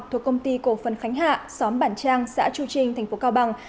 thuộc công ty cổ phân khánh hạ xóm bản trang xã chu trinh tp cao bằng